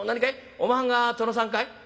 おまはんが殿さんかい？」。